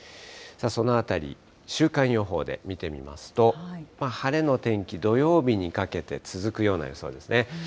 そのあたり、週間予報で見てみますと、晴れの天気、土曜日にかけて続くような予想ですね。